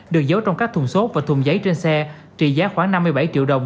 được giấu trong các thùng xốp và thùng giấy trên xe trị giá khoảng năm mươi bảy triệu đồng